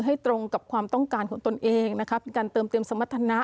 ตรงกับความต้องการของตนเองนะคะเป็นการเติมเต็มสมรรถนะ